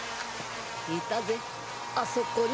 いたぜあそこに。